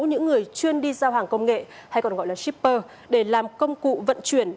những người chuyên đi giao hàng công nghệ hay còn gọi là shipper để làm công cụ vận chuyển